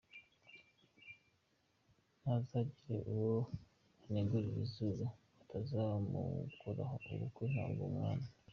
Ntazagire uwo aneguriza izuru bitazamukoraho, umukwe ntaba mo umwana!